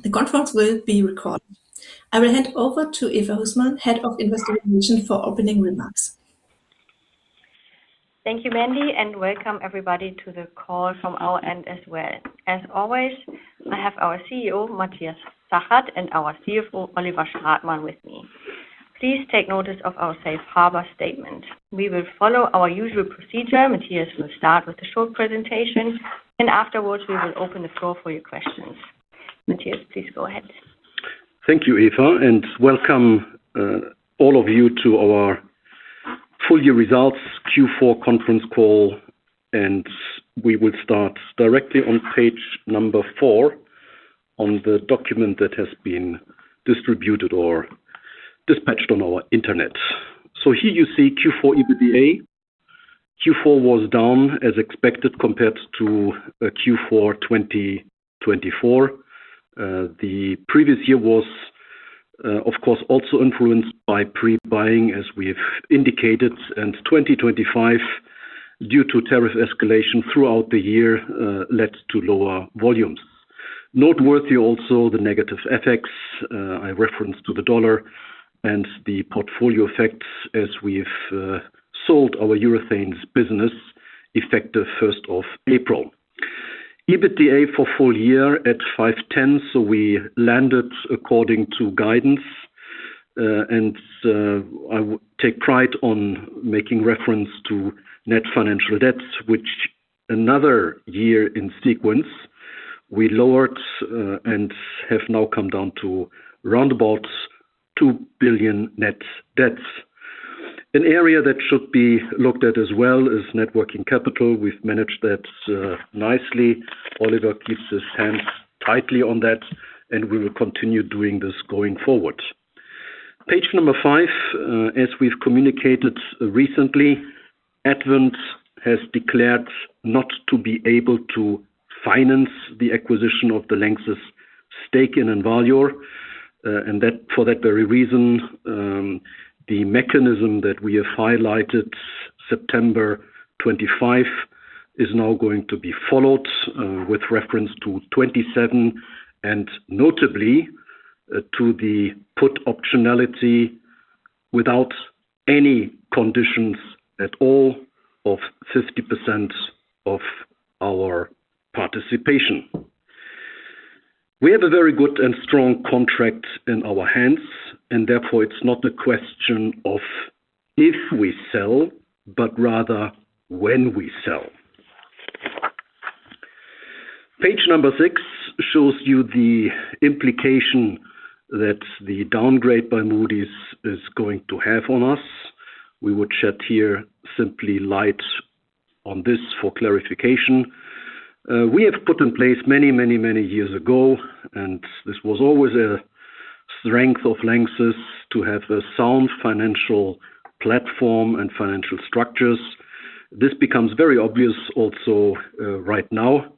The conference will be recorded. I will hand over to Eva Husmann, Head of Investor Relations, for opening remarks. Thank you, Mandy, and welcome everybody to the call from our end as well. As always, I have our CEO, Matthias Zachert, and our CFO, Oliver Stratmann, with me. Please take notice of our safe harbor statement. We will follow our usual procedure. Matthias will start with a short presentation, and afterwards, we will open the floor for your questions. Matthias, please go ahead. Thank you, Eva, and welcome all of you to our full year results Q4 conference call. We will start directly on page number four on the document that has been distributed or dispatched on our Internet. Here you see Q4 EBITDA. Q4 was down as expected compared to Q4 2024. The previous year was, of course, also influenced by pre-buying, as we have indicated, and 2025, due to tariff escalation throughout the year, led to lower volumes. Noteworthy also the negative FX. I referenced to the dollar and the portfolio effects as we've sold our urethanes business effective first of April. EBITDA for full year at 510, so we landed according to guidance. I take pride on making reference to net financial debt, which another year in sequence we lowered, and have now come down to round about 2 billion net debt. An area that should be looked at as well is net working capital. We've managed that nicely. Oliver keeps his hands tightly on that, and we will continue doing this going forward. Page five, as we've communicated recently, Advent has declared not to be able to finance the acquisition of the LANXESS stake in Envalior. And that for that very reason, the mechanism that we have highlighted September 25 is now going to be followed, with reference to 27 and notably, to the put optionality without any conditions at all of 50% of our participation. We have a very good and strong contract in our hands, and therefore it's not a question of if we sell, but rather when we sell. Page six shows you the implication that the downgrade by Moody's is going to have on us. We would shed here simply light on this for clarification. We have put in place many years ago, and this was always a strength of LANXESS to have a sound financial platform and financial structures. This becomes very obvious also, right now.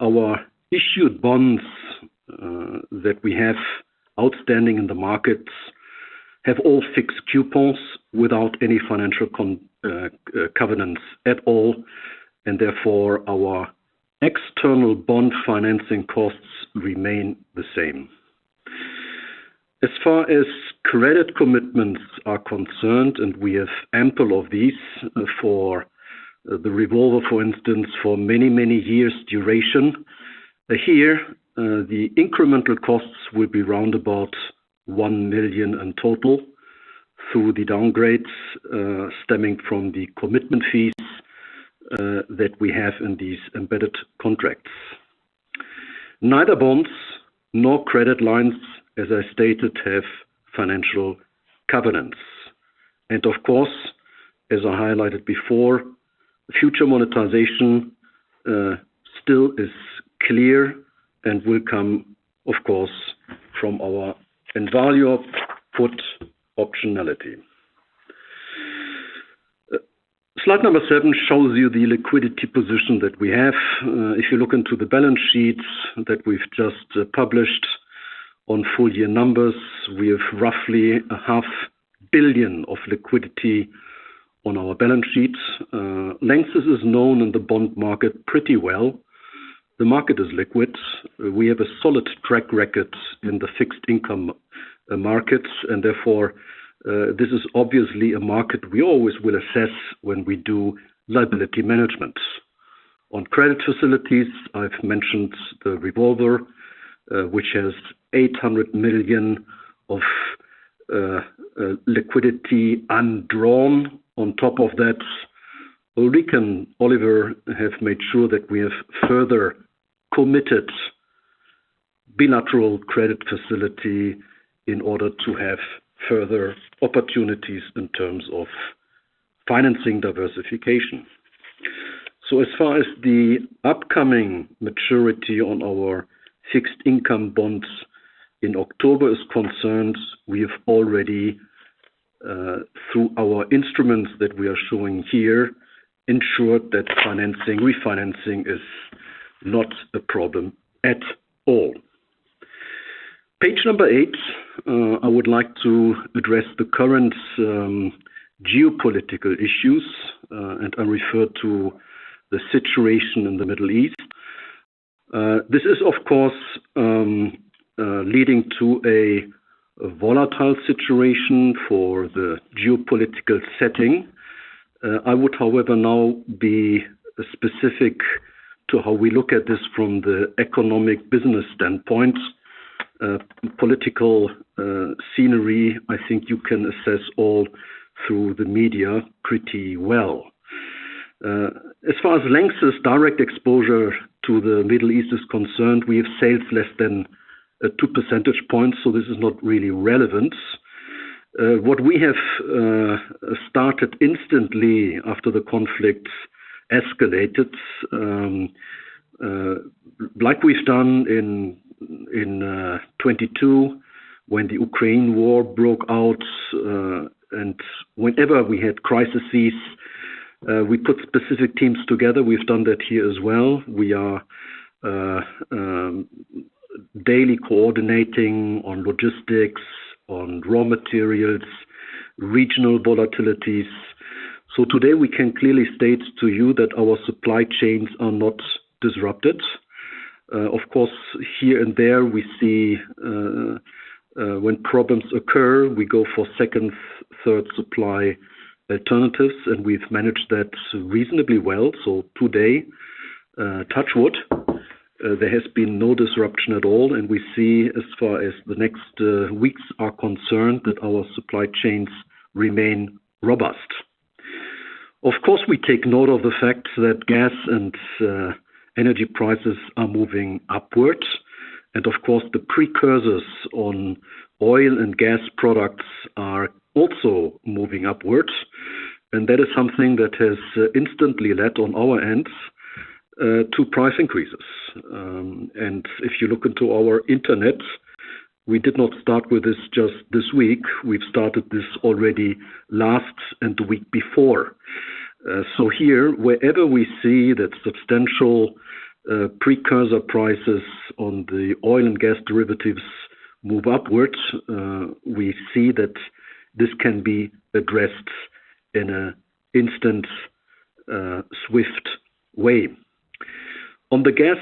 Our issued bonds, that we have outstanding in the markets have all fixed coupons without any financial covenants at all, and therefore our external bond financing costs remain the same. As far as credit commitments are concerned, and we have ample of these for the revolver, for instance, for many years duration. Here, the incremental costs will be round about 1 million in total through the downgrades, stemming from the commitment fees, that we have in these embedded contracts. Neither bonds nor credit lines, as I stated, have financial covenants. Of course, as I highlighted before, future monetization still is clear and will come, of course, from our Envalior put optionality. Slide seven shows you the liquidity position that we have. If you look into the balance sheets that we've just published on full year numbers, we have roughly a 500 million of liquidity on our balance sheets. LANXESS is known in the bond market pretty well. The market is liquid. We have a solid track record in the fixed income markets, and therefore, this is obviously a market we always will assess when we do liability management. On credit facilities, I've mentioned the revolver, which has 800 million of liquidity undrawn. On top of that, Ulrike and Oliver have made sure that we have further committed bilateral credit facility in order to have further opportunities in terms of financing diversification. As far as the upcoming maturity on our fixed income bonds in October is concerned, we have already, through our instruments that we are showing here, ensured that financing, refinancing is not a problem at all. Page eight, I would like to address the current geopolitical issues, and I refer to the situation in the Middle East. This is of course leading to a volatile situation for the geopolitical setting. I would, however, now be specific to how we look at this from the economic business standpoint. Political scenery, I think you can assess all through the media pretty well. As far as LANXESS's direct exposure to the Middle East is concerned, we have, say, less than two percentage points, so this is not really relevant. What we have started instantly after the conflict escalated, like we've done in 2022 when the Ukraine war broke out, and whenever we had crises, we put specific teams together. We've done that here as well. We are daily coordinating on logistics, on raw materials, regional volatilities. Today, we can clearly state to you that our supply chains are not disrupted. Of course, here and there we see when problems occur, we go for second, third supply alternatives, and we've managed that reasonably well. Today, touch wood there has been no disruption at all, and we see as far as the next weeks are concerned, that our supply chains remain robust. Of course, we take note of the fact that gas and energy prices are moving upwards. Of course, the precursors on oil and gas products are also moving upwards. That is something that has instantly led on our end to price increases. If you look into our intranet, we did not start with this just this week. We've started this already last week and the week before. Here, wherever we see that substantial precursor prices on the oil and gas derivatives move upwards, we see that this can be addressed in an instant, swift way. On the gas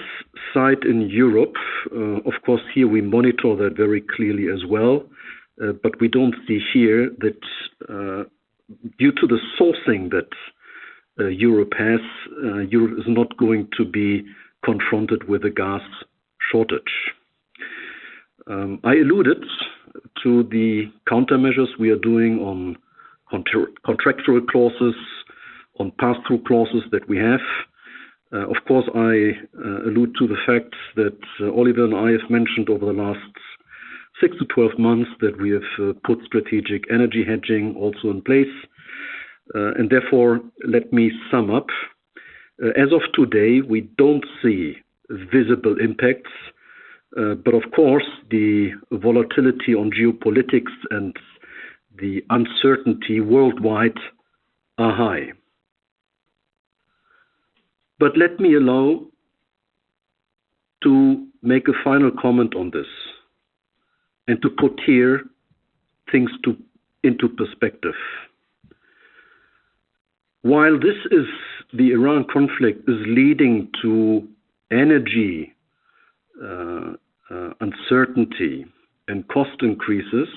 side in Europe, of course, here we monitor that very clearly as well. We don't see here that, due to the sourcing that, Europe has, Europe is not going to be confronted with a gas shortage. I alluded to the countermeasures we are doing on counter-contractual clauses, on pass-through clauses that we have. Of course, I allude to the fact that Oliver and I have mentioned over the last six to 12 months that we have put strategic energy hedging also in place. Therefore, let me sum up. As of today, we don't see visible impacts, but of course, the volatility on geopolitics and the uncertainty worldwide are high. Let me allow to make a final comment on this and to put here things into perspective. While the Iran conflict is leading to energy uncertainty and cost increases,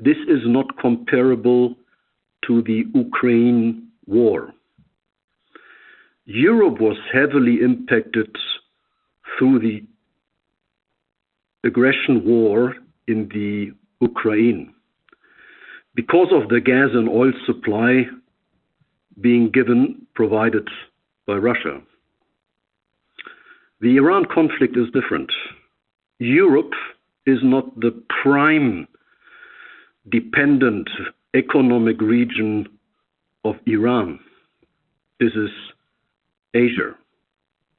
this is not comparable to the Ukraine war. Europe was heavily impacted through the aggressive war in Ukraine because of the gas and oil supply provided by Russia. The Iran conflict is different. Europe is not the prime dependent economic region of Iran. This is Asia.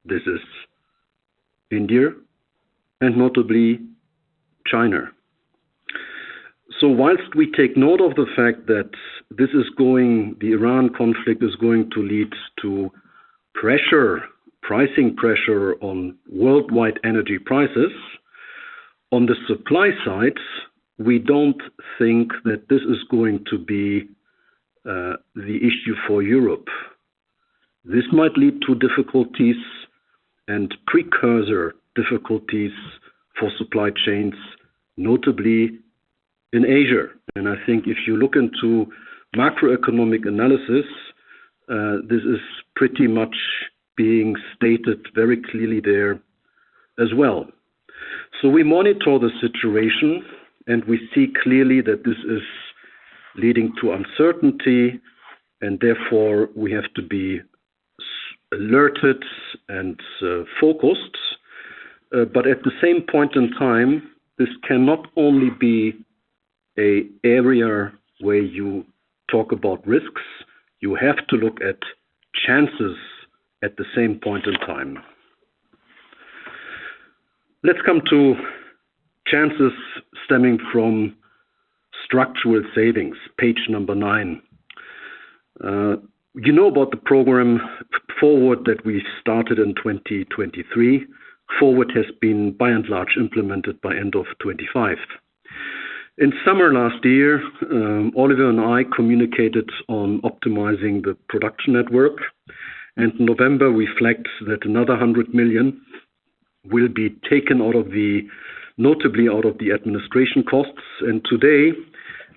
This is India and notably China. While we take note of the fact that the Iran conflict is going to lead to pricing pressure on worldwide energy prices on the supply side, we don't think that this is going to be the issue for Europe. This might lead to difficulties and precursor difficulties for supply chains, notably in Asia. I think if you look into macroeconomic analysis, this is pretty much being stated very clearly there as well. We monitor the situation, and we see clearly that this is leading to uncertainty, and therefore, we have to be alerted and focused. At the same point in time, this cannot only be an area where you talk about risks. You have to look at chances at the same point in time. Let's come to chances stemming from structural savings, page nine. You know about the program FORWARD! that we started in 2023. FORWARD! has been by and large implemented by end of 2025. In summer last year, Oliver and I communicated on optimizing the production network. In November, we flagged that another 100 million will be taken out, notably out of the administration costs. Today,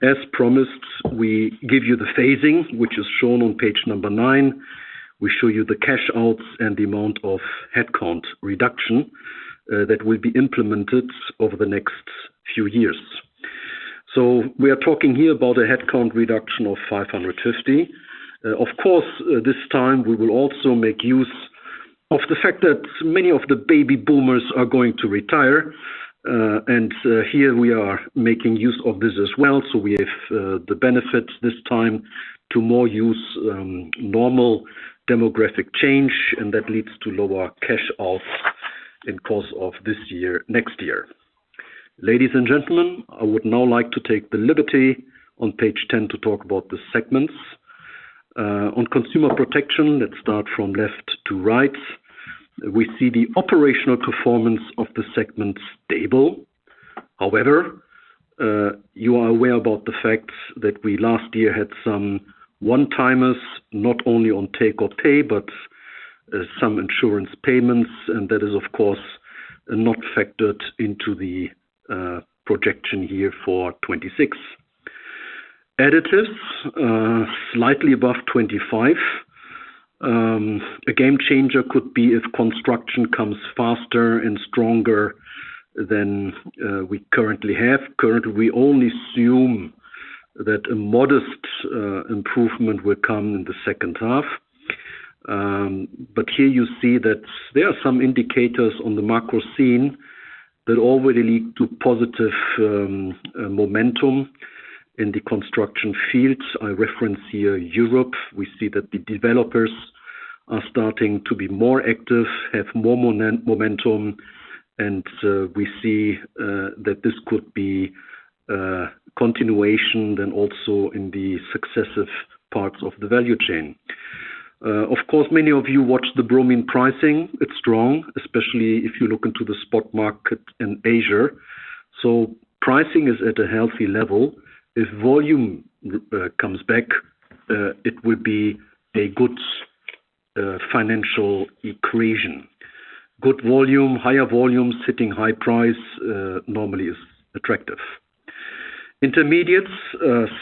as promised, we give you the phasing, which is shown on page nine. We show you the cash outs and the amount of headcount reduction that will be implemented over the next few years. We are talking here about a headcount reduction of 550. Of course, this time we will also make use of the fact that many of the baby boomers are going to retire. Here we are making use of this as well, so we have the benefit this time to make more use of normal demographic change, and that leads to lower cash outs in the course of this year, next year. Ladies and gentlemen, I would now like to take the liberty on page 10 to talk about the segments. On Consumer Protection, let's start from left to right. We see the operational performance of the segment stable. However, you are aware about the fact that we last year had some one-timers, not only on take or pay, but some insurance payments. That is, of course, not factored into the projection here for 2026. Additives, slightly above 25. A game changer could be if construction comes faster and stronger than we currently have. Currently, we only assume that a modest improvement will come in the second half. Here you see that there are some indicators on the macro scene that already lead to positive momentum in the construction fields. I reference here Europe. We see that the developers are starting to be more active, have more momentum, and we see that this could be continuation then also in the successive parts of the value chain. Of course, many of you watch the bromine pricing. It's strong, especially if you look into the spot market in Asia. Pricing is at a healthy level. If volume comes back, it would be a good financial equation. Good volume, higher volume, sitting high price, normally is attractive. Intermediates,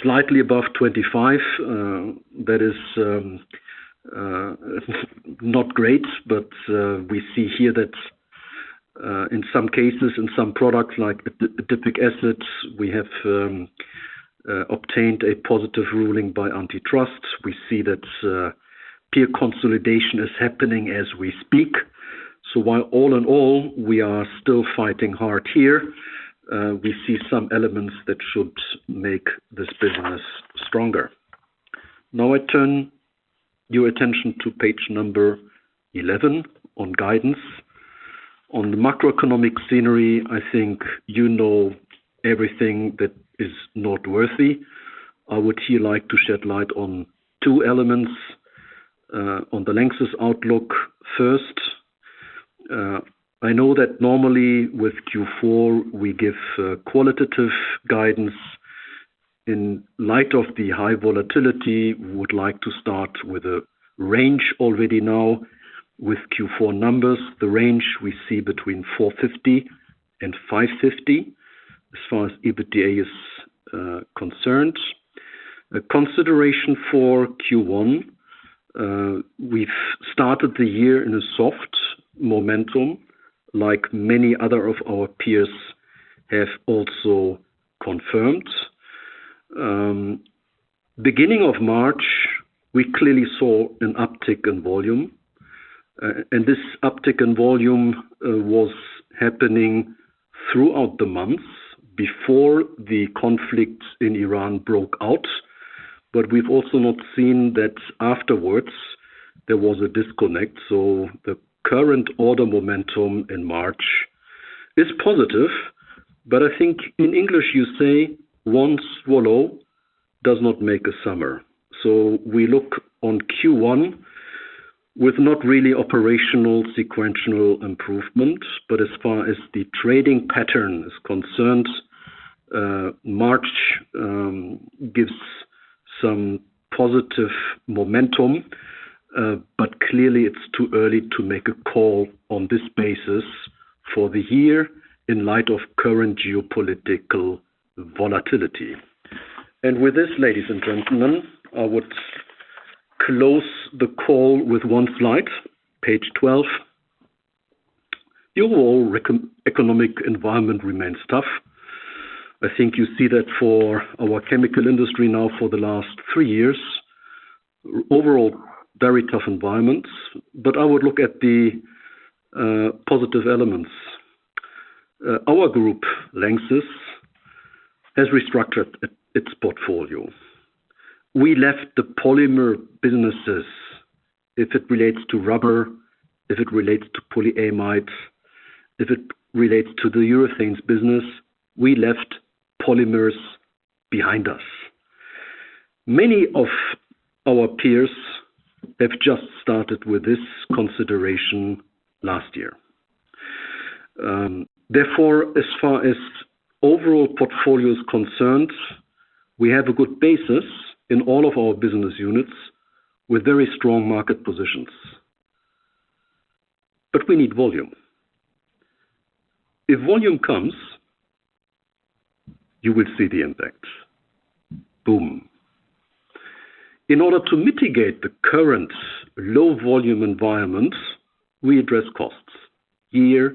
slightly above 25%. That is not great, but we see here that in some cases, in some products like adipic acids, we have obtained a positive ruling by antitrust. We see that peer consolidation is happening as we speak. While all in all, we are still fighting hard here, we see some elements that should make this business stronger. Now I turn your attention to page 11 on guidance. On the macroeconomic scenario, I think you know everything that is noteworthy. I would here like to shed light on two elements, on the LANXESS outlook first. I know that normally with Q4, we give qualitative guidance. In light of the high volatility, we would like to start with a range already now with Q4 numbers. The range we see 450-550 as far as EBITDA is concerned. A consideration for Q1, we've started the year in a soft momentum like many other of our peers have also confirmed. Beginning of March, we clearly saw an uptick in volume. This uptick in volume was happening throughout the months before the conflict in Iran broke out. We've also not seen that afterwards, there was a disconnect. The current order momentum in March is positive, but I think in English you say one swallow does not make a summer. We look on Q1 with not really operational sequential improvement, but as far as the trading pattern is concerned, March gives some positive momentum. Clearly it's too early to make a call on this basis for the year in light of current geopolitical volatility. With this, ladies and gentlemen, I would close the call with one slide 12. The overall macro-economic environment remains tough. I think you see that for our chemical industry now for the last three years. Overall, very tough environments. I would look at the positive elements. Our group, LANXESS, has restructured its portfolio. We left the polymer businesses. If it relates to rubber, if it relates to polyamides, if it relates to the urethanes business, we left polymers behind us. Many of our peers have just started with this consideration last year. Therefore, as far as overall portfolio is concerned, we have a good basis in all of our business units with very strong market positions. We need volume. If volume comes, you will see the impact. Boom. In order to mitigate the current low volume environment, we address costs year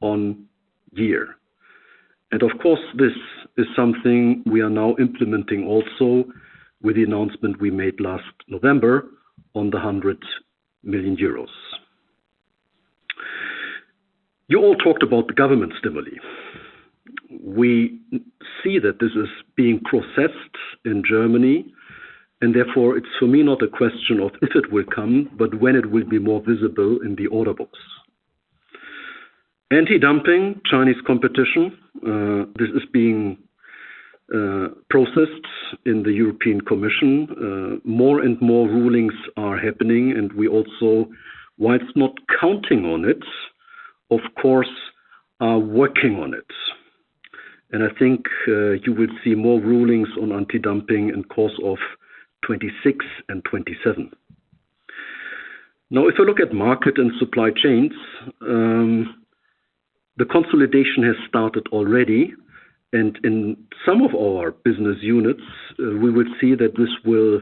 on year. Of course, this is something we are now implementing also with the announcement we made last November on the 100 million euros. You all talked about the government stimuli. We see that this is being processed in Germany, and therefore it's for me not a question of if it will come, but when it will be more visible in the order books. Anti-dumping Chinese competition, this is being processed in the European Commission. More and more rulings are happening, and we also, while not counting on it, of course, are working on it. I think, you will see more rulings on anti-dumping in course of 2026 and 2027. Now, if you look at market and supply chains, the consolidation has started already. In some of our business units, we will see that this will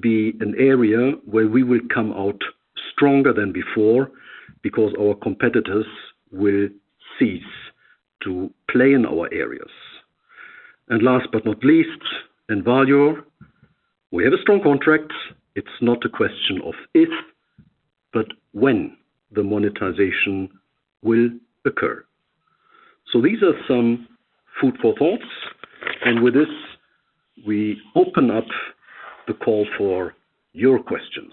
be an area where we will come out stronger than before because our competitors will cease to play in our areas. Last but not least, Envalior, we have a strong contract. It's not a question of if, but when the monetization will occur. These are some food for thought. With this, we open up the call for your questions.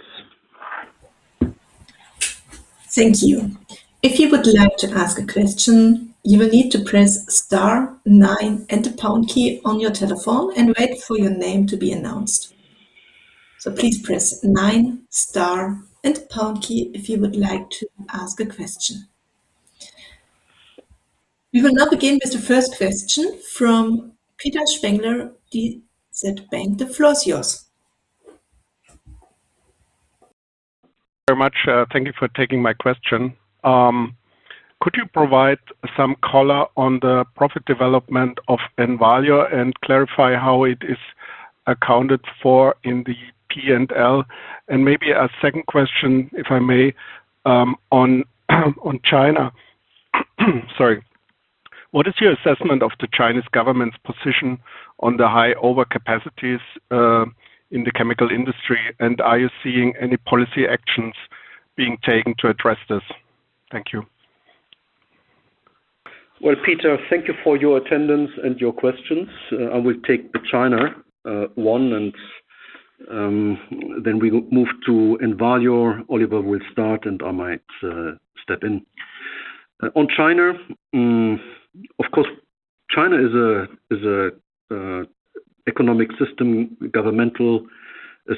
Thank you. If you would like to ask a question, you will need to press star nine and the pound key on your telephone and wait for your name to be announced. Please press nine, star and pound key if you would like to ask a question. We will now begin with the first question from Peter Spengler, DZ Bank. The floor is yours. Very much, thank you for taking my question. Could you provide some color on the profit development of Envalior and clarify how it is accounted for in the P&L? Maybe a second question, if I may, on China. Sorry. What is your assessment of the Chinese government's position on the high overcapacities in the chemical industry? Are you seeing any policy actions being taken to address this? Thank you. Well, Peter, thank you for your attendance and your questions. I will take the China one, and then we move to Envalior. Oliver will start, and I might step in. On China, of course, China is an economic, governmental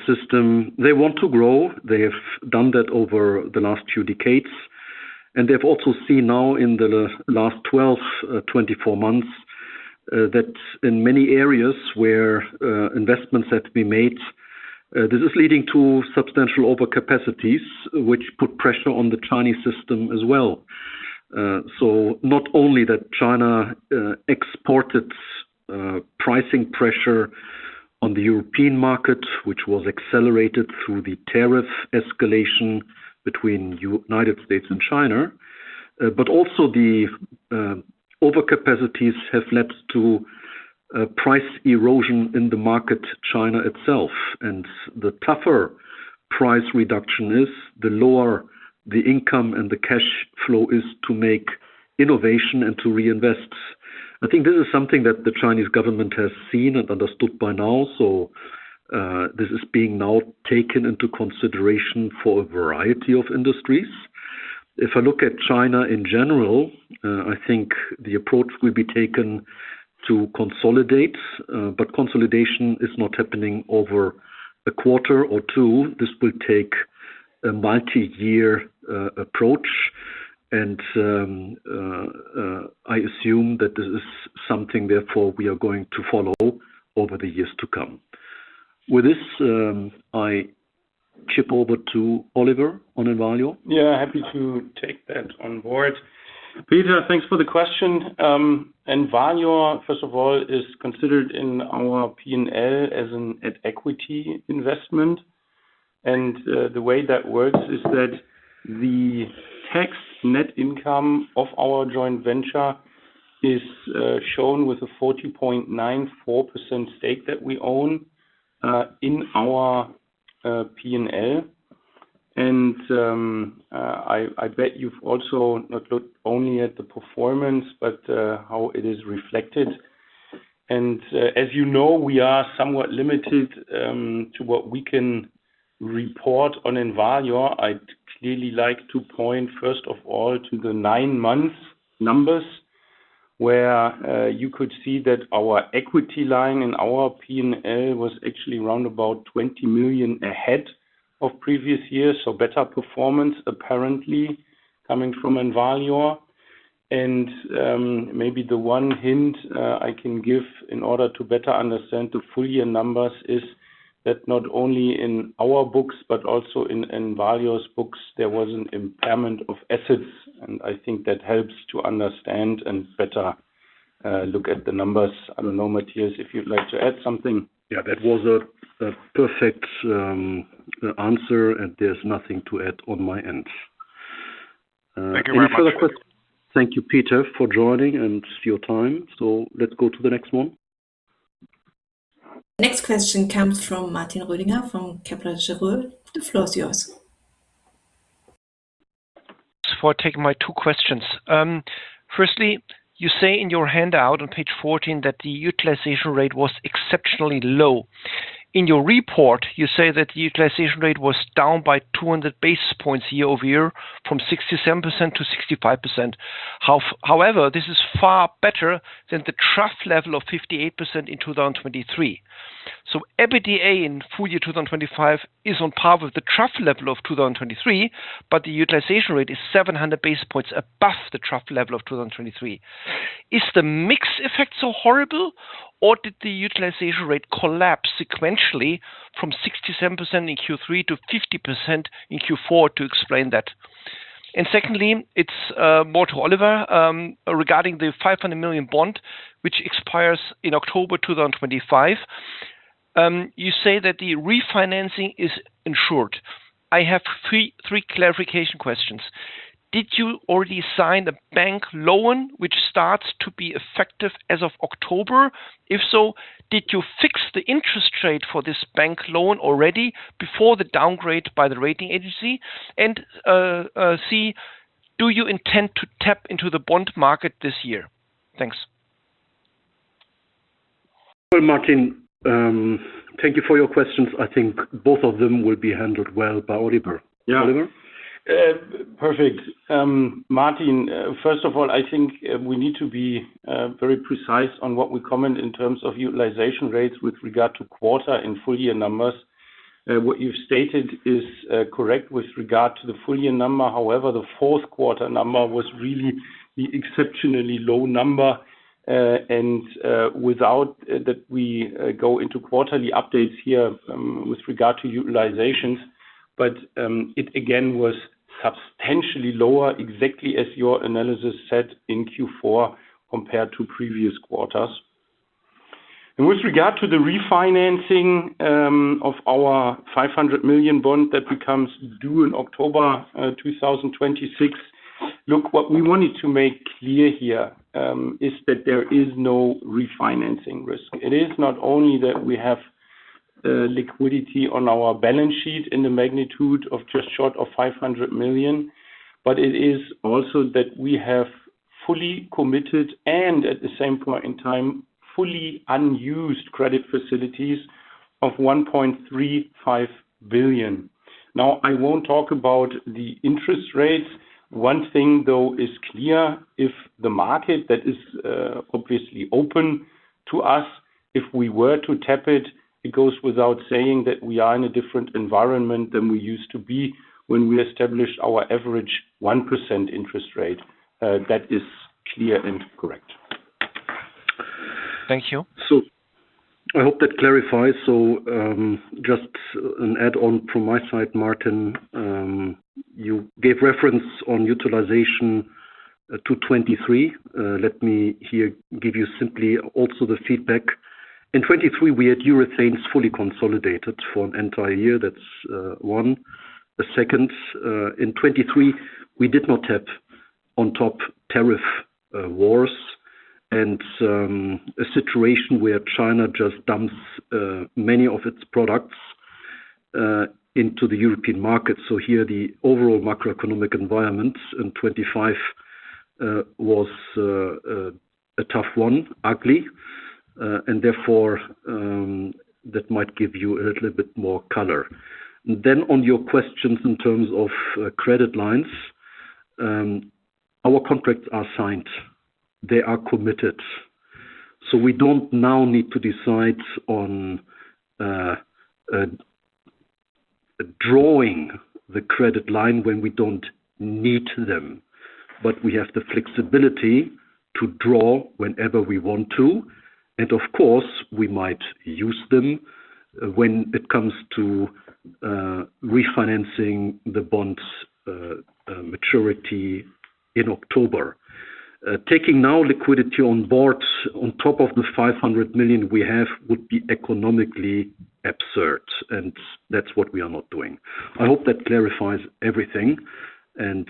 system. They want to grow. They have done that over the last two decades. They've also seen now in the last 12-24 months that in many areas where investments had to be made, this is leading to substantial overcapacities, which put pressure on the Chinese system as well. Not only that China exported pricing pressure on the European market, which was accelerated through the tariff escalation between the United States and China, but also the overcapacities have led to price erosion in the Chinese market itself. The tougher price reduction is, the lower the income and the cash flow is to make innovation and to reinvest. I think this is something that the Chinese government has seen and understood by now. This is being now taken into consideration for a variety of industries. If I look at China in general, I think the approach will be taken to consolidate, but consolidation is not happening over a quarter or two. This will take a multi-year approach. I assume that this is something, therefore, we are going to follow over the years to come. With this, I chip over to Oliver Stratmann on Envalior. Yeah, happy to take that on board. Peter, thanks for the question. Envalior, first of all, is considered in our P&L as an at equity investment. The way that works is that the tax net income of our joint venture is shown with a 40.94% stake that we own in our P&L. I bet you've also not looked only at the performance, but how it is reflected. As you know, we are somewhat limited to what we can report on Envalior. I'd clearly like to point first of all to the nine-month numbers, where you could see that our equity line in our P&L was actually around about 20 million ahead of previous years. Better performance apparently coming from Envalior. Maybe the one hint I can give in order to better understand the full year numbers is that not only in our books, but also in Envalior's books, there was an impairment of assets, and I think that helps to understand and better look at the numbers. I don't know, Matthias, if you'd like to add something. Yeah. That was a perfect answer, and there's nothing to add on my end. Thank you very much. Next question. Thank you, Peter, for joining and for your time. Let's go to the next one. Next question comes from Martin Rödiger from Kepler Cheuvreux. The floor is yours. Thanks for taking my two questions. Firstly, you say in your handout on page 14 that the utilization rate was exceptionally low. In your report, you say that the utilization rate was down by 200 basis points year-over-year from 67%-65%. However, this is far better than the trough level of 58% in 2023. EBITDA in full year 2025 is on par with the trough level of 2023, but the utilization rate is 700 basis points above the trough level of 2023. Is the mix effect so horrible, or did the utilization rate collapse sequentially from 67% in Q3 to 50% in Q4 to explain that? Secondly, it's more to Oliver regarding the 500 million bond, which expires in October 2025. You say that the refinancing is insured. I have three clarification questions. Did you already sign the bank loan, which starts to be effective as of October? If so, did you fix the interest rate for this bank loan already before the downgrade by the rating agency? And, do you intend to tap into the bond market this year? Thanks. Well, Martin, thank you for your questions. I think both of them will be handled well by Oliver. Oliver. Perfect. Martin, first of all, I think we need to be very precise on what we comment in terms of utilization rates with regard to quarter and full year numbers. What you've stated is correct with regard to the full year number. However, the fourth quarter number was really the exceptionally low number, and without that we go into quarterly updates here, with regard to utilizations. It again was substantially lower, exactly as your analysis said in Q4, compared to previous quarters. With regard to the refinancing of our 500 million bond that becomes due in October 2026. Look, what we wanted to make clear here is that there is no refinancing risk. It is not only that we have the liquidity on our balance sheet in the magnitude of just short of 500 million, but it is also that we have fully committed and at the same point in time, fully unused credit facilities of 1.35 billion. Now, I won't talk about the interest rates. One thing though is clear, if the market that is, obviously open to us, if we were to tap it goes without saying that we are in a different environment than we used to be when we established our average 1% interest rate. That is clear and correct. Thank you. I hope that clarifies. Just an add-on from my side, Martin. You gave reference on utilization to 2023. Let me here give you simply also the feedback. In 2023, we had urethanes fully consolidated for an entire year. That's one. The second, in 2023, we did not have on top tariff wars and a situation where China just dumps many of its products into the European market. Here the overall macroeconomic environment in 2025 was a tough one, ugly. And therefore, that might give you a little bit more color. On your questions in terms of credit lines, our contracts are signed, they are committed. We don't now need to decide on drawing the credit line when we don't need them. We have the flexibility to draw whenever we want to, and of course, we might use them when it comes to refinancing the bonds maturity in October. Taking now liquidity on board on top of the 500 million we have would be economically absurd, and that's what we are not doing. I hope that clarifies everything, and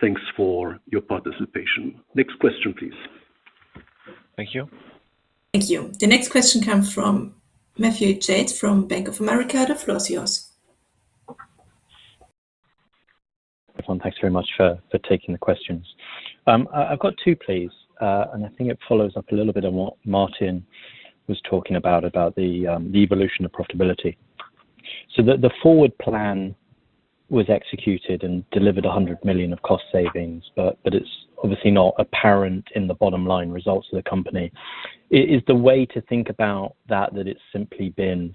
thanks for your participation. Next question, please. Thank you. Thank you. The next question comes from Matthew Yates from Bank of America. The floor is yours. Matthias Zachert, thanks very much for taking the questions. I've got two, please. I think it follows up a little bit on what Martin was talking about the evolution of profitability. The FORWARD! plan was executed and delivered 100 million of cost savings, but it's obviously not apparent in the bottom line results of the company. Is the way to think about that it's simply been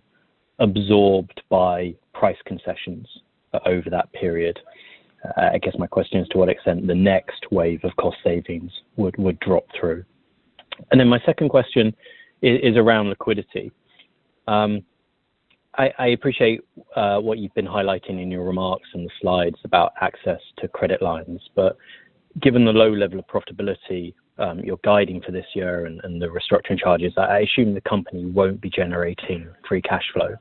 absorbed by price concessions over that period. I guess my question is to what extent the next wave of cost savings would drop through. My second question is around liquidity. I appreciate what you've been highlighting in your remarks and the slides about access to credit lines. Given the low level of profitability, you're guiding for this year and the restructuring charges, I assume the company won't be generating free cash flow.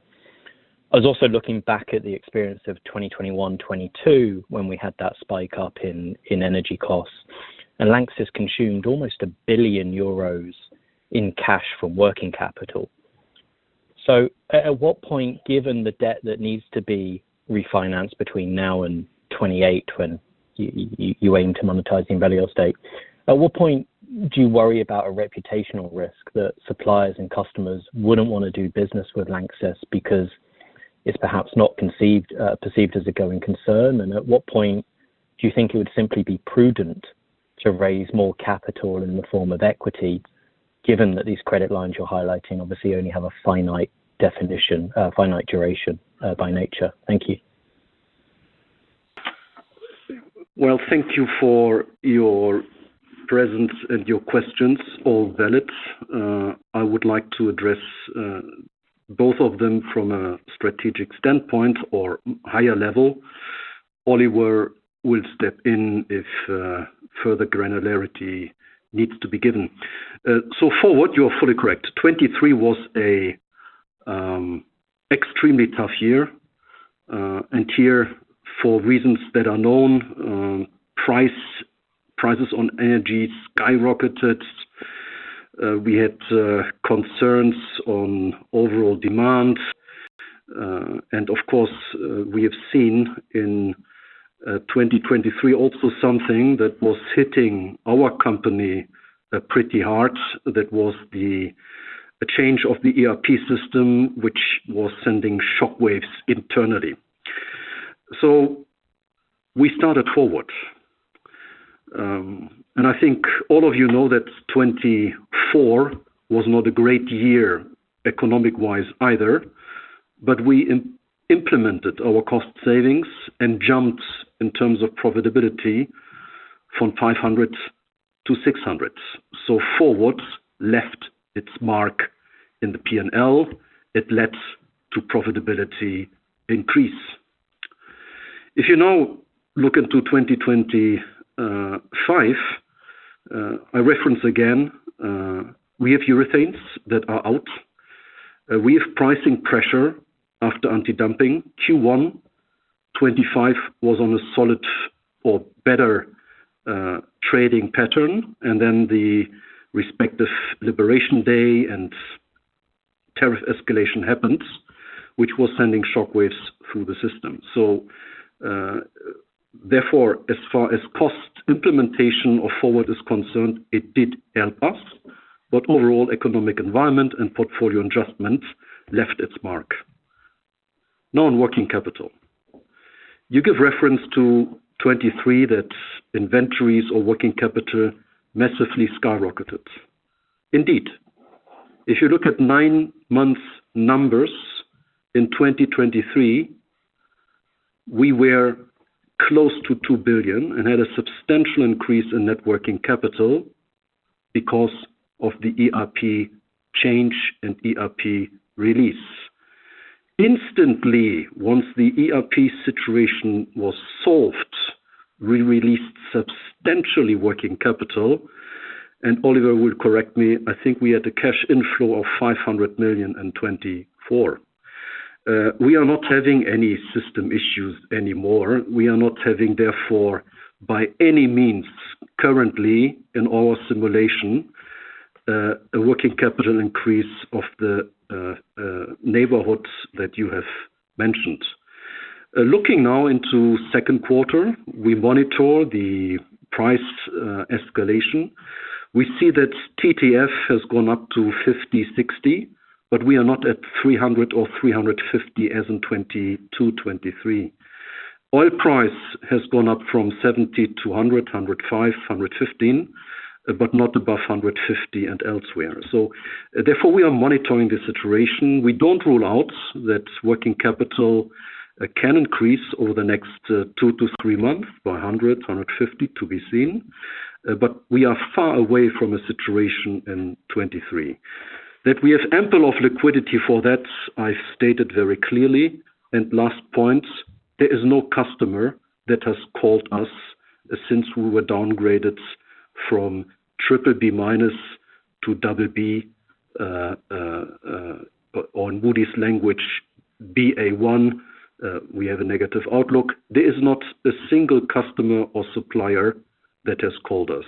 I was also looking back at the experience of 2021, 2022 when we had that spike up in energy costs. LANXESS consumed almost 1 billion euros in cash from working capital. At what point, given the debt that needs to be refinanced between now and 2028 when you aim to monetize the Envalior stake, at what point do you worry about a reputational risk that suppliers and customers wouldn't wanna do business with LANXESS because it's perhaps not perceived as a going concern? at what point do you think it would simply be prudent to raise more capital in the form of equity, given that these credit lines you're highlighting obviously only have a finite definition, finite duration, by nature? Thank you. Well, thank you for your presence and your questions, all valid. I would like to address both of them from a strategic standpoint or higher level. Oliver will step in if further granularity needs to be given. FORWARD!, you're fully correct. 2023 was an extremely tough year. Here, for reasons that are known, prices on energy skyrocketed. We had concerns on overall demand. Of course, we have seen in 2023 also something that was hitting our company pretty hard. That was a change of the ERP system, which was sending shock waves internally. We started FORWARD!. I think all of you know that 2024 was not a great year economic-wise either, but we implemented our cost savings and jumped in terms of profitability from 500-600. FORWARD! left its mark in the P&L. It led to profitability increase. If you now look into 2025, I reference again, we have Urethane Systems that are out. We have pricing pressure after anti-dumping. Q1 2025 was on a solid or better, trading pattern, and then the respective Liberation Day and tariff escalation happens, which was sending shock waves through the system. Therefore, as far as cost implementation of FORWARD! is concerned, it did help us, but overall economic environment and portfolio adjustments left its mark. Now on working capital. You give reference to 2023 that inventories or working capital massively skyrocketed. Indeed, if you look at nine months numbers in 2023, we were close to 2 billion and had a substantial increase in net working capital because of the ERP change and ERP release. Instantly, once the ERP situation was solved, we released substantial working capital, and Oliver will correct me, I think we had a cash inflow of 500 million in 2024. We are not having any system issues anymore. We are not having, therefore, by any means currently in our simulation, a working capital increase of the magnitude that you have mentioned. Looking now into second quarter, we monitor the price escalation. We see that TTF has gone up to 50, 60, but we are not at 300 or 350 as in 2022, 2023. Oil price has gone up from 70-100, 105, 115, but not above 150 and elsewhere. We are monitoring the situation. We don't rule out that working capital can increase over the next two to three months by 100 million-150 million to be seen. We are far away from a situation in 2023. That we have ample liquidity for that, I stated very clearly. Last point, there is no customer that has called us since we were downgraded from BBB- to Ba1 on Moody's language. We have a negative outlook. There is not a single customer or supplier that has called us.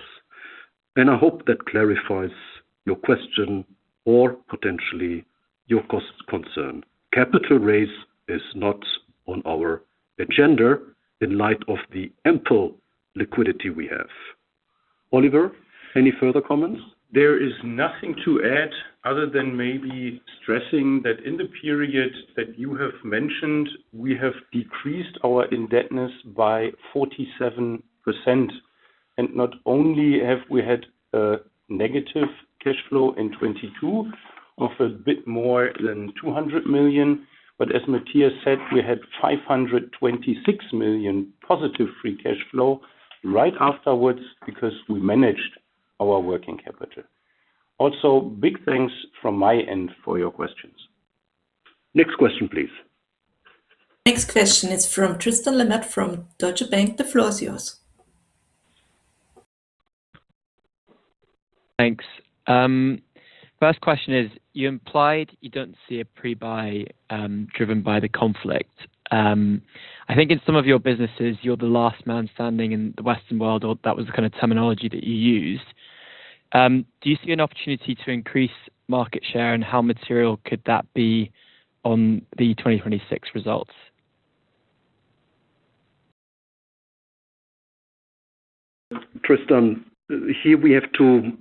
I hope that clarifies your question or potentially your cost concern. Capital raise is not on our agenda in light of the ample liquidity we have. Oliver, any further comments? There is nothing to add other than maybe stressing that in the period that you have mentioned, we have decreased our indebtedness by 47%. Not only have we had a negative cash flow in 2022 of a bit more than 200 million, but as Matthias said, we had 526 million positive free cash flow right afterwards because we managed our working capital. Also, big thanks from my end for your questions. Next question, please. Next question is from Tristan Lamotte from Deutsche Bank. The floor is yours. Thanks. First question is, you implied you don't see a pre-buy driven by the conflict. I think in some of your businesses, you're the last man standing in the Western world, or that was the kind of terminology that you used. Do you see an opportunity to increase market share, and how material could that be on the 2026 results? Tristan, here we have to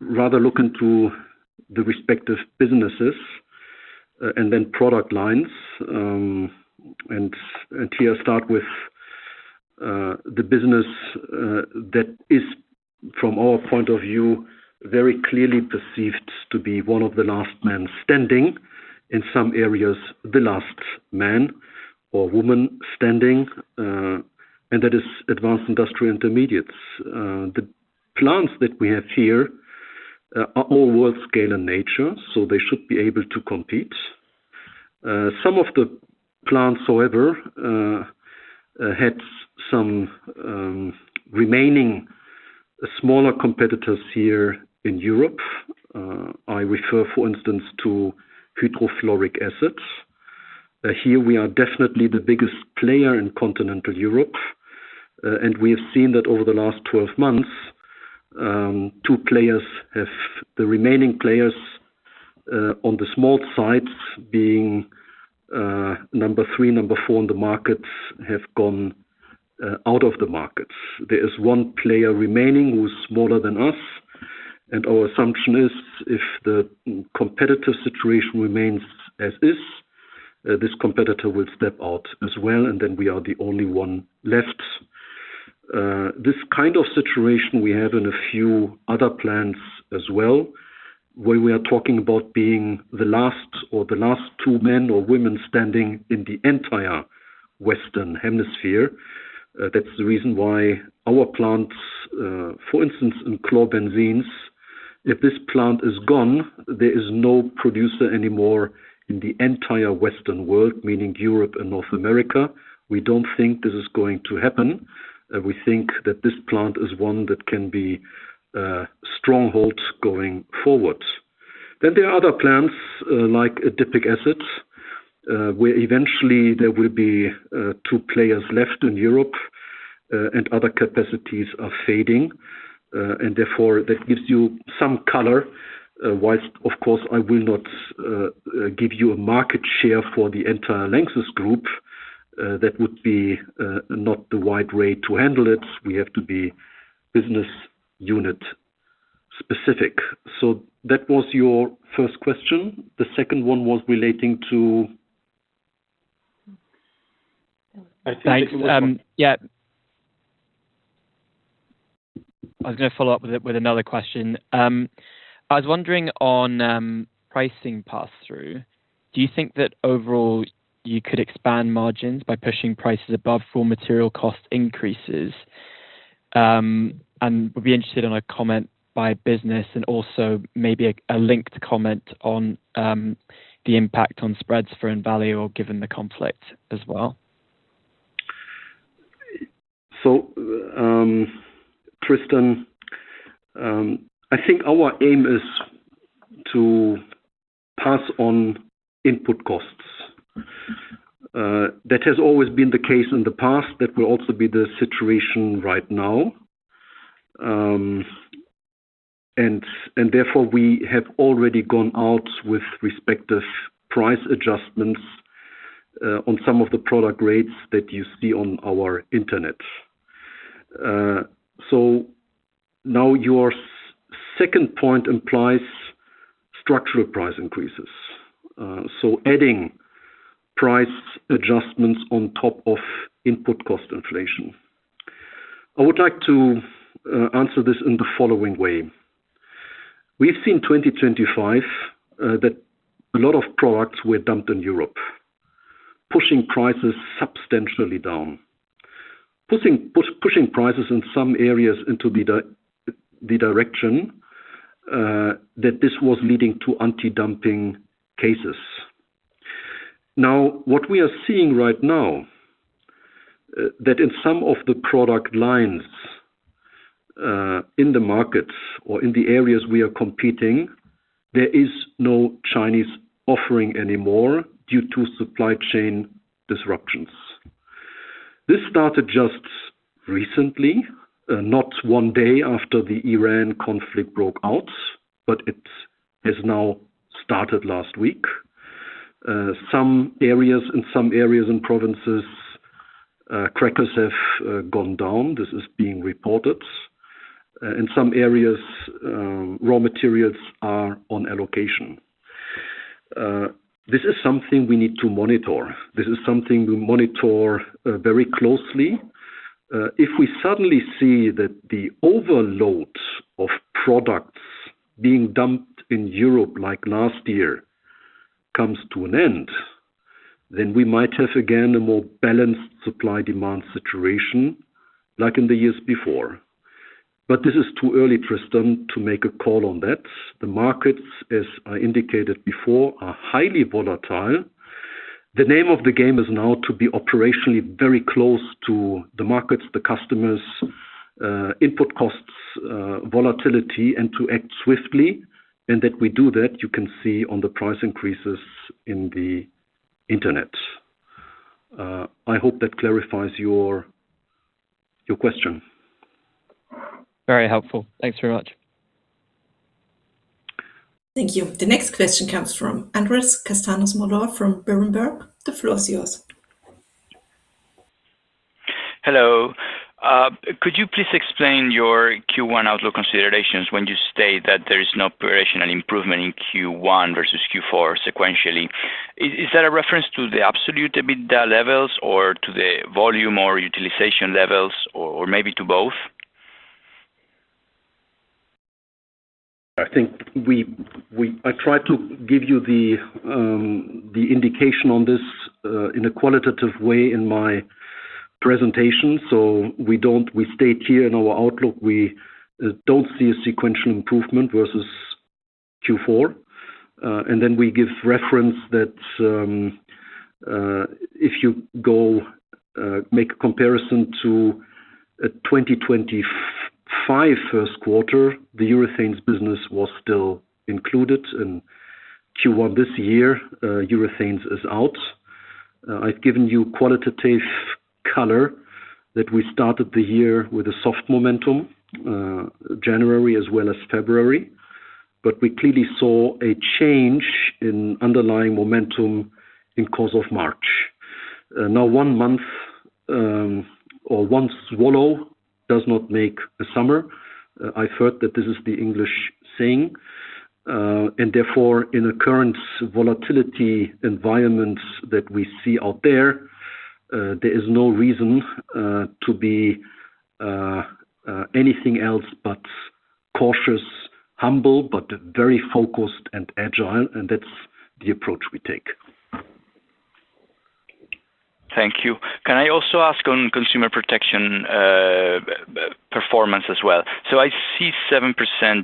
rather look into the respective businesses and then product lines. Here start with the business that is from our point of view very clearly perceived to be one of the last man standing. In some areas, the last man or woman standing, and that is Advanced Industrial Intermediates. The plants that we have here are all world-scale in nature, so they should be able to compete. Some of the plants, however, had some remaining smaller competitors here in Europe. I refer, for instance, to hydrofluoric acid. Here we are definitely the biggest player in continental Europe. We have seen that over the last 12 months, two players, the remaining players on the small side being number three, number four in the markets, have gone out of the markets. There is one player remaining who is smaller than us, and our assumption is if the competitive situation remains as is, this competitor will step out as well, and then we are the only one left. This kind of situation we have in a few other plants as well, where we are talking about being the last or the last two men or women standing in the entire Western Hemisphere. That's the reason why our plants, for instance, in Chlorobenzene, if this plant is gone, there is no producer anymore in the entire Western world, meaning Europe and North America. We don't think this is going to happen. We think that this plant is one that can be a stronghold going forward. There are other plants, like adipic acids, where eventually there will be two players left in Europe, and other capacities are fading. Therefore, that gives you some color. While, of course, I will not give you a market share for the entire LANXESS group, that would be not the right way to handle it. We have to be business unit specific. That was your first question. The second one was relating to I think it was- Thanks. Yeah. I was going to follow up with another question. I was wondering on pricing pass-through. Do you think that overall you could expand margins by pushing prices above full material cost increases? I would be interested in a comment by business and also maybe a linked comment on the impact on spreads for Envalior given the conflict as well. Tristan, I think our aim is to pass on input costs. That has always been the case in the past. That will also be the situation right now. And therefore, we have already gone out with respective price adjustments on some of the product rates that you see on our website. Now your second point implies structural price increases. Adding price adjustments on top of input cost inflation. I would like to answer this in the following way. We've seen 2025 that a lot of products were dumped in Europe, pushing prices substantially down. Pushing prices in some areas into the direction that this was leading to anti-dumping cases. What we are seeing right now, that in some of the product lines, in the markets or in the areas we are competing, there is no Chinese offering anymore due to supply chain disruptions. This started just recently, not one day after the Iran conflict broke out, but it has now started last week. In some areas and provinces, crackers have gone down. This is being reported. In some areas, raw materials are on allocation. This is something we need to monitor. This is something we monitor very closely. If we suddenly see that the overloads of products being dumped in Europe like last year comes to an end, then we might have again a more balanced supply-demand situation like in the years before. This is too early, Tristan, to make a call on that. The markets, as I indicated before, are highly volatile. The name of the game is now to be operationally very close to the markets, the customers, input costs, volatility, and to act swiftly. That we do that, you can see on the price increases in the Intermediates. I hope that clarifies your question. Very helpful. Thanks very much. Thank you. The next question comes from Andrés Castaños-Mollor from Berenberg. The floor is yours. Hello. Could you please explain your Q1 outlook considerations when you state that there is no operational improvement in Q1 versus Q4 sequentially? Is that a reference to the absolute EBITDA levels or to the volume or utilization levels or maybe to both? I think I tried to give you the indication on this in a qualitative way in my presentation. We state here in our outlook, we don't see a sequential improvement versus Q4. We give reference that if you go make a comparison to 2025 first quarter, the Urethane Systems business was still included. In Q1 this year, Urethane Systems is out. I've given you qualitative color that we started the year with a soft momentum, January as well as February, but we clearly saw a change in underlying momentum in the course of March. Now one month or one swallow does not make a summer. I've heard that this is the English saying. Therefore, in the current volatility environments that we see out there is no reason to be anything else but cautious, humble, but very focused and agile, and that's the approach we take. Thank you. Can I also ask on Consumer Protection, performance as well? I see 7%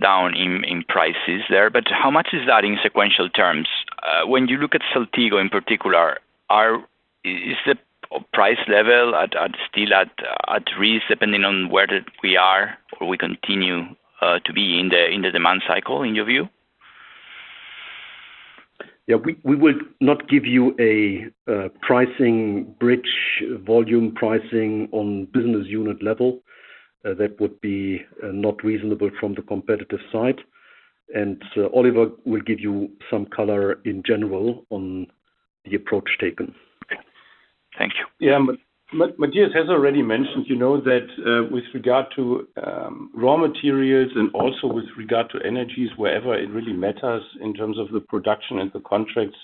down in prices there, but how much is that in sequential terms? When you look at Saltigo in particular, is the price level still at risk depending on where we are or we continue to be in the demand cycle in your view? Yeah. We would not give you a pricing bridge, volume pricing on business unit level. That would be not reasonable from the competitive side. Oliver will give you some color in general on the approach taken. Thank you. Yeah. Matthias has already mentioned, you know, that, with regard to raw materials and also with regard to energy, wherever it really matters in terms of the production and the contracts,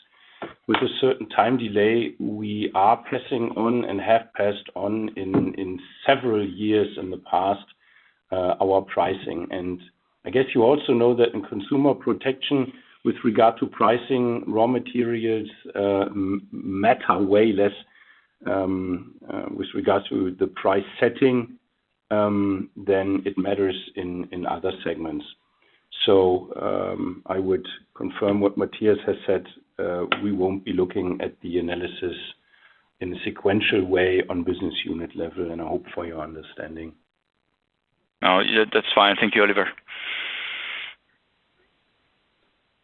with a certain time delay, we are passing on and have passed on in several years in the past our pricing. I guess you also know that in Consumer Protection with regard to pricing raw materials, matter way less with regards to the price setting than it matters in other segments. I would confirm what Matthias has said. We won't be looking at the analysis in a sequential way on business unit level, and I hope for your understanding. Oh, yeah. That's fine. Thank you, Oliver.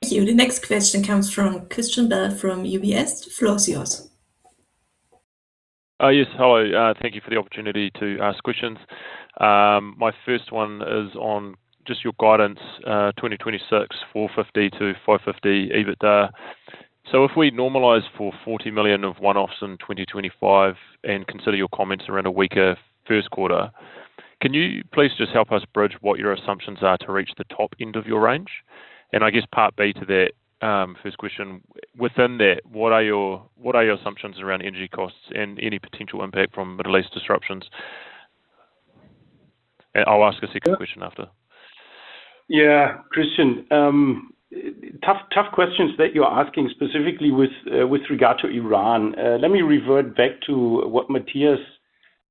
Thank you. The next question comes from Christian Bell from UBS. The floor is yours. Yes. Hello. Thank you for the opportunity to ask questions. My first one is on just your guidance, 2026, 450 million-550 million EBITDA. If we normalize for 40 million of one-offs in 2025 and consider your comments around a weaker first quarter, can you please just help us bridge what your assumptions are to reach the top end of your range? I guess part B to that, first question, within that, what are your assumptions around energy costs and any potential impact from Middle East disruptions? I'll ask a second question after. Yeah. Christian, tough questions that you're asking specifically with regard to Iran. Let me revert back to what Matthias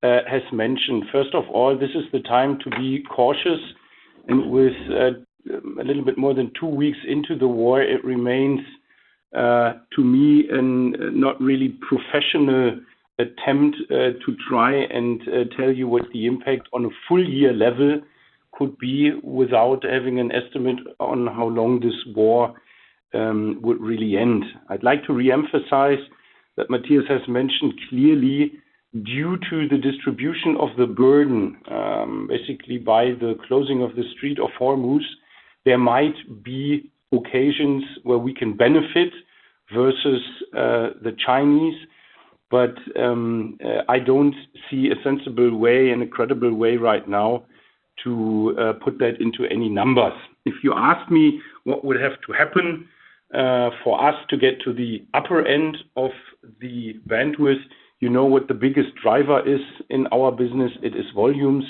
has mentioned. First of all, this is the time to be cautious. With a little bit more than two weeks into the war, it remains to me a not really professional attempt to try and tell you what the impact on a full year level could be without having an estimate on how long this war would really end. I'd like to re-emphasize that Matthias has mentioned clearly due to the distribution of the burden, basically by the closing of the Strait of Hormuz, there might be occasions where we can benefit versus the Chinese. I don't see a sensible way and a credible way right now to put that into any numbers. If you ask me what would have to happen for us to get to the upper end of the bandwidth, you know what the biggest driver is in our business, it is volumes.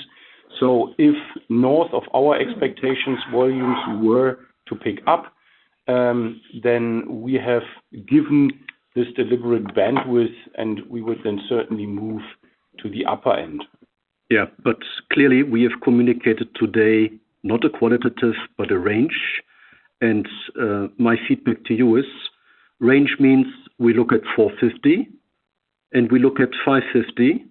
If north of our expectations volumes were to pick up, then we have given this deliberate bandwidth, and we would then certainly move to the upper end. Yeah. Clearly we have communicated today not a qualitative, but a range. My feedback to you is range means we look at 450 million and we look at 550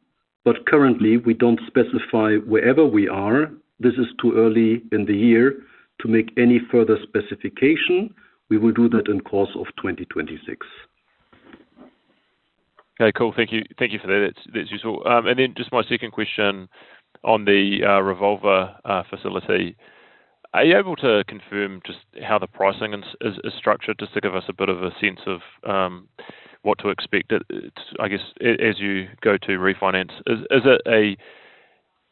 million, but currently we don't specify where we are. This is too early in the year to make any further specification. We will do that in the course of 2026. Okay, cool. Thank you. Thank you for that. That's useful. Just my second question on the revolver facility. Are you able to confirm just how the pricing is structured just to give us a bit of a sense of what to expect? It's, I guess, as you go to refinance, is it a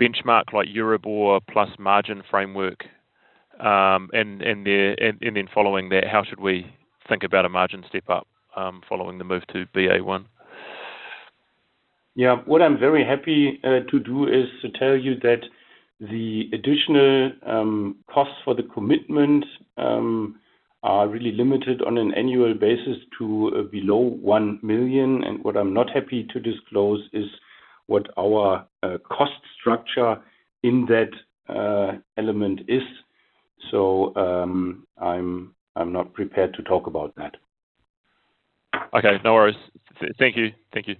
benchmark like EURIBOR plus margin framework? Following that, how should we think about a margin step up following the move to Ba1? Yeah. What I'm very happy to do is to tell you that the additional costs for the commitment are really limited on an annual basis to below 1 million. What I'm not happy to disclose is what our cost structure in that element is. I'm not prepared to talk about that. Okay, no worries. Thank you. Thank you.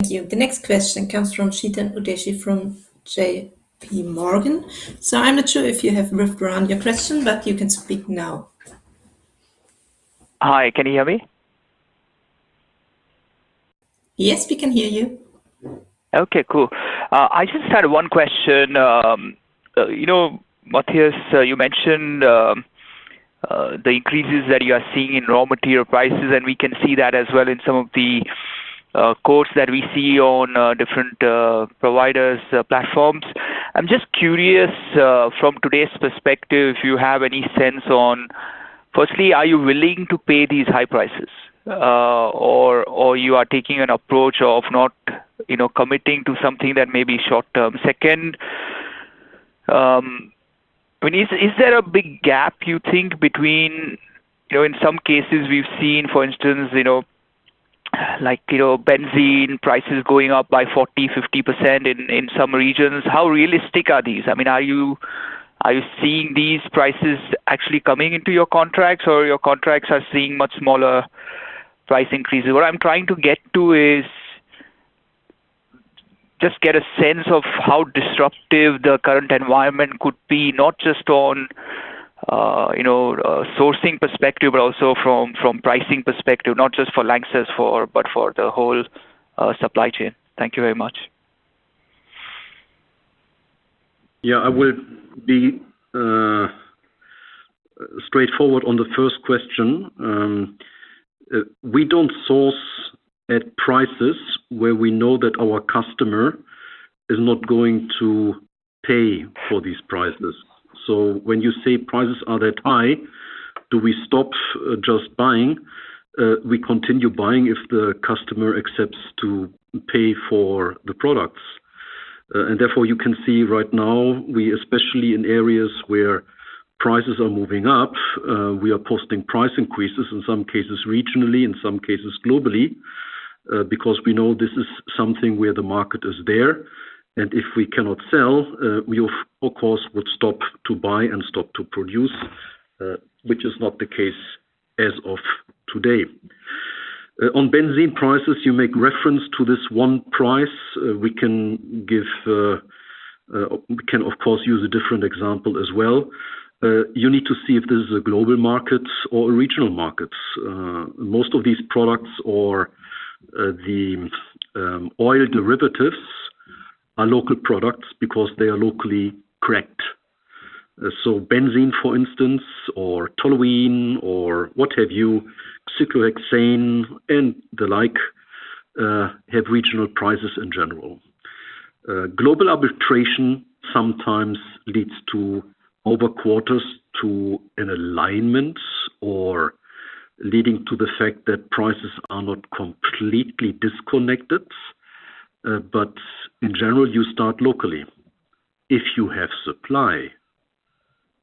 Thank you. The next question comes from Chetan Udeshi from JPMorgan. I'm not sure if you have moved around your question, but you can speak now. Hi. Can you hear me? Yes, we can hear you. Okay, cool. I just had one question. You know, Matthias, you mentioned the increases that you are seeing in raw material prices, and we can see that as well in some of the quotes that we see on different providers platforms. I'm just curious, from today's perspective, if you have any sense on firstly, are you willing to pay these high prices? Or, you are taking an approach of not, you know, committing to something that may be short-term. Second, I mean, is there a big gap you think between, you know, in some cases we've seen, for instance, you know, like, you know, benzene prices going up by 40%-50% in some regions. How realistic are these? I mean, are you seeing these prices actually coming into your contracts or your contracts are seeing much smaller price increases? What I'm trying to get to is just get a sense of how disruptive the current environment could be, not just on, you know, sourcing perspective, but also from pricing perspective, not just for LANXESS but for the whole supply chain. Thank you very much. Yeah. I will be straightforward on the first question. We don't source at prices where we know that our customer is not going to pay for these prices. When you say prices are that high, do we stop just buying? We continue buying if the customer accepts to pay for the products. Therefore, you can see right now, especially in areas where prices are moving up, we are posting price increases, in some cases regionally, in some cases globally, because we know this is something where the market is there. If we cannot sell, we of course would stop to buy and stop to produce, which is not the case as of today. On benzene prices, you make reference to this one price. We can of course use a different example as well. You need to see if this is global markets or regional markets. Most of these products or the oil derivatives are local products because they are locally cracked. Benzene, for instance, or toluene or what have you, cyclohexane and the like have regional prices in general. Global arbitration sometimes leads to over quarters to an alignment or leading to the fact that prices are not completely disconnected. In general, you start locally if you have supply.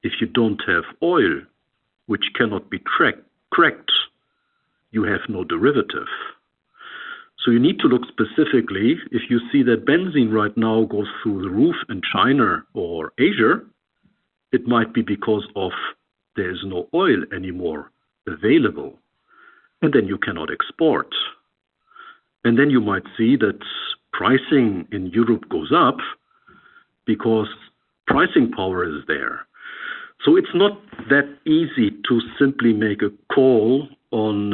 If you don't have oil which cannot be cracked, you have no derivative. You need to look specifically. If you see that benzene right now goes through the roof in China or Asia, it might be because of there's no oil anymore available, and then you cannot export. Then you might see that pricing in Europe goes up because pricing power is there. It's not that easy to simply make a call on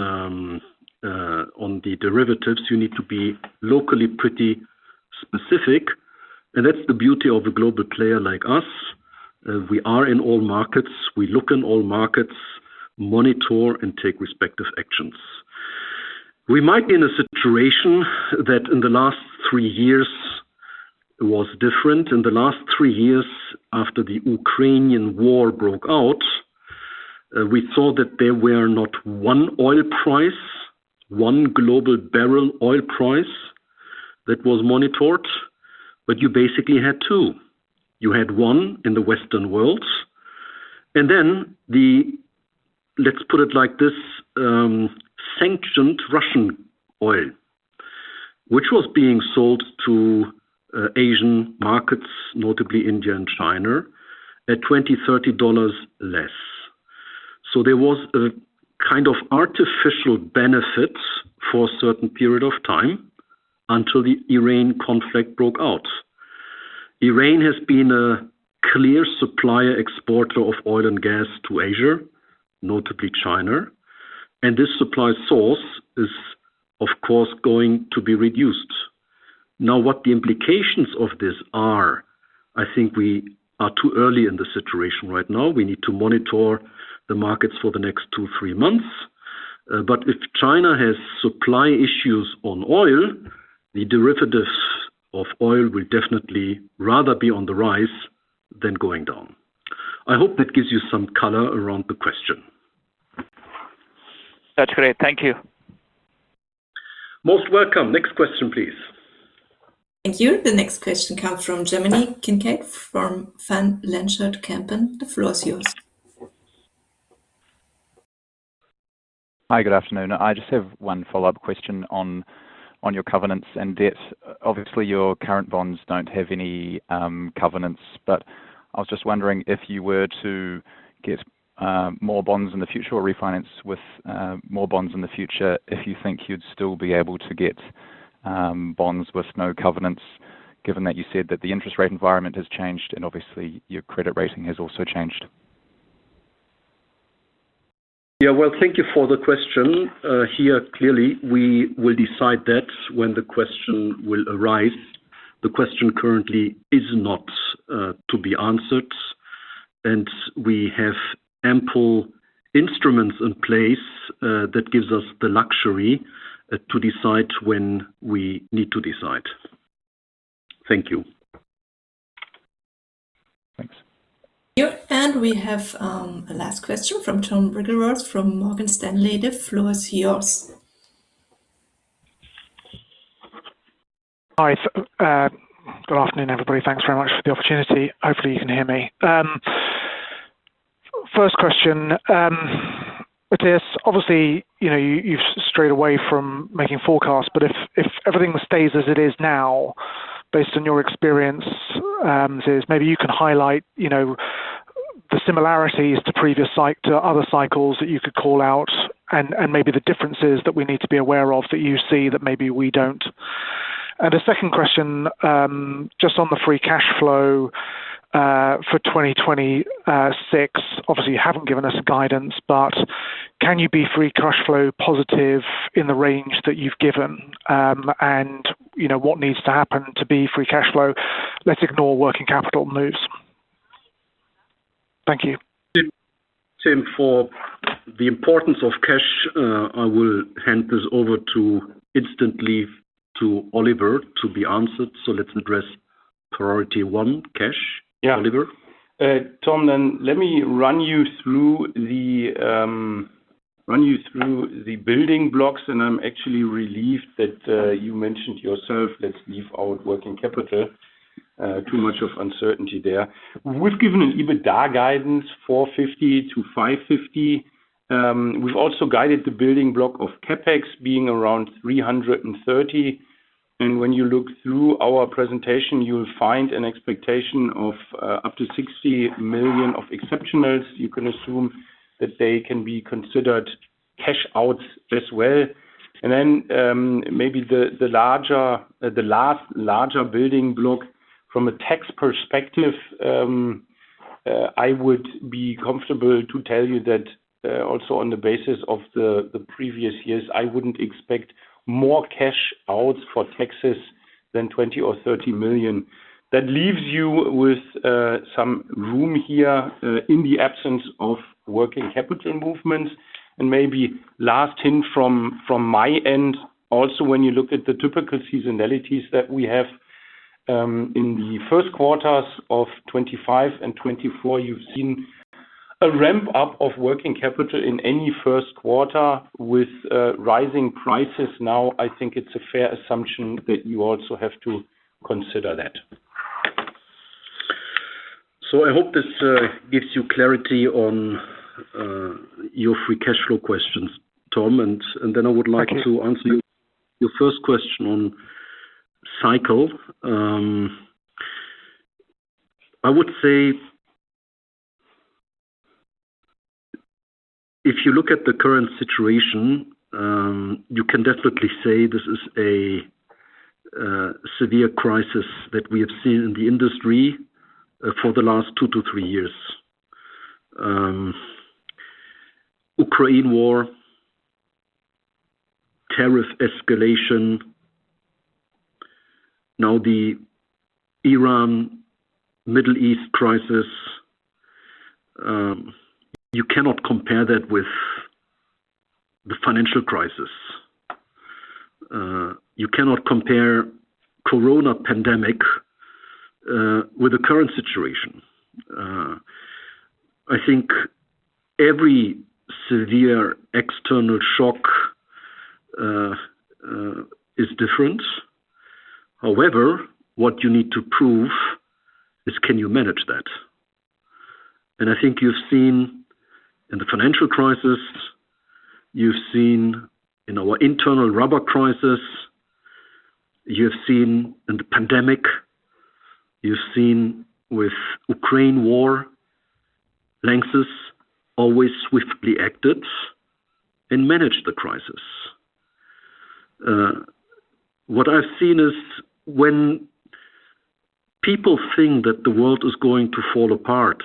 the derivatives. You need to be locally pretty specific, and that's the beauty of a global player like us. We are in all markets. We look in all markets, monitor, and take respective actions. We might be in a situation that in the last three years was different. In the last three years, after the Ukrainian war broke out, we saw that there were not one oil price, one global barrel oil price that was monitored, but you basically had two. You had one in the Western world, and then the, let's put it like this, sanctioned Russian oil, which was being sold to Asian markets, notably India and China, at $20-$30 less. There was a kind of artificial benefit for a certain period of time until the Iran conflict broke out. Iran has been a clear supplier exporter of oil and gas to Asia, notably China, and this supply source is, of course, going to be reduced. Now, what the implications of this are, I think we are too early in the situation right now. We need to monitor the markets for the next 2-3 months. If China has supply issues on oil, the derivatives of oil will definitely rather be on the rise than going down. I hope that gives you some color around the question. That's great. Thank you. Most welcome. Next question, please. Thank you. The next question comes from Jeremy Kincaid, from Van Lanschot Kempen. The floor is yours. Hi. Good afternoon. I just have one follow-up question on your covenants and debt. Obviously, your current bonds don't have any covenants, but I was just wondering if you were to get more bonds in the future or refinance with more bonds in the future, if you think you'd still be able to get bonds with no covenants, given that you said that the interest rate environment has changed and obviously your credit rating has also changed? Yeah. Well, thank you for the question. Here, clearly, we will decide that when the question will arise. The question currently is not to be answered. We have ample instruments in place that gives us the luxury to decide when we need to decide. Thank you. Thanks. Thank you. We have a last question from Tom Wrigglesworth from Morgan Stanley. The floor is yours. Hi. Good afternoon, everybody. Thanks very much for the opportunity. Hopefully, you can hear me. First question, Matthias, obviously, you know, you've strayed away from making forecasts, but if everything stays as it is now, based on your experience, Matthias, maybe you can highlight, you know, the similarities to previous to other cycles that you could call out and maybe the differences that we need to be aware of that you see that maybe we don't. The second question, just on the free cash flow, for 2026. Obviously, you haven't given us guidance, but can you be free cash flow positive in the range that you've given? You know, what needs to happen to be free cash flow? Let's ignore working capital moves. Thank you. Tom, for the importance of cash, I will hand this over immediately to Oliver Stratmann to be answered. Let's address priority one, cash. Yeah. Oliver. Tom, let me run you through the building blocks. I'm actually relieved that you mentioned yourself, let's leave out working capital. Too much of uncertainty there. We've given an EBITDA guidance of 450 million-550 million. We've also guided the building block of CapEx being around 330 million. When you look through our presentation, you'll find an expectation of up to 60 million of exceptionals. You can assume that they can be considered cash out as well. Maybe the largest building block from a tax perspective, I would be comfortable to tell you that also on the basis of the previous years, I wouldn't expect more cash outs for taxes than 20 million or 30 million. That leaves you with some room here in the absence of working capital movements. Maybe last hint from my end, also, when you look at the typical seasonalities that we have in the first quarters of 2025 and 2024, you've seen a ramp-up of working capital in any first quarter with rising prices. Now, I think it's a fair assumption that you also have to consider that. I hope this gives you clarity on your free cash flow questions, Tom. Then I would like Thank you. To answer your first question on cycle. I would say if you look at the current situation, you can definitely say this is a severe crisis that we have seen in the industry for the last two to three years. Ukraine war, tariff escalation, now the Iran-Middle East crisis. You cannot compare that with the financial crisis. You cannot compare corona pandemic with the current situation. I think every severe external shock is different. However, what you need to prove is can you manage that? I think you've seen in the financial crisis, you've seen in our internal rubber crisis, you've seen in the pandemic, you've seen with Ukraine war, LANXESS always swiftly acted and managed the crisis. What I've seen is when people think that the world is going to fall apart,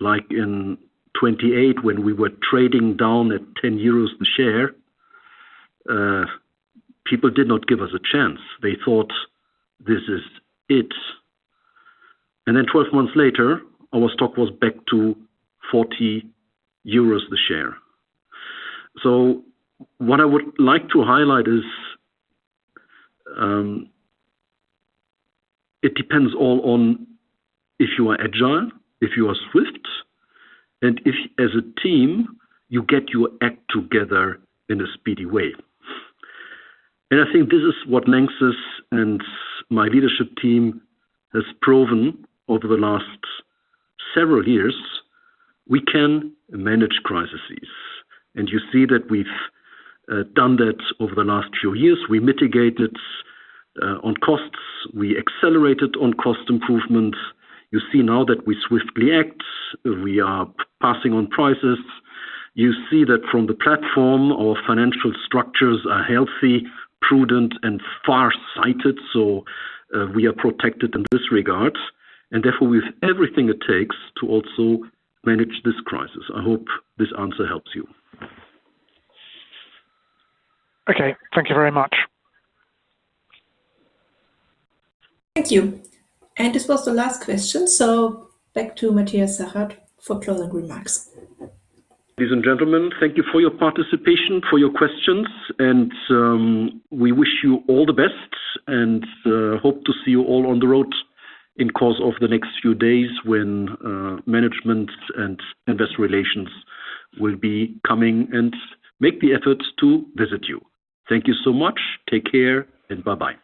like in 2018 when we were trading down at 10 euros a share, people did not give us a chance. They thought, this is it. Then 12 months later, our stock was back to 40 euros a share. What I would like to highlight is, it depends all on if you are agile, if you are swift, and if as a team, you get your act together in a speedy way. I think this is what LANXESS and my leadership team has proven over the last several years. We can manage crises. You see that we've done that over the last few years. We mitigated on costs. We accelerated on cost improvement. You see now that we swiftly act. We are passing on prices. You see that from the platform, our financial structures are healthy, prudent, and far-sighted. We are protected in this regard, and therefore, we have everything it takes to also manage this crisis. I hope this answer helps you. Okay. Thank you very much. Thank you. This was the last question. Back to Matthias Zachert for closing remarks. Ladies and gentlemen, thank you for your participation, for your questions, and we wish you all the best and hope to see you all on the road in course of the next few days when management and investor relations will be coming and make the effort to visit you. Thank you so much. Take care, and bye-bye.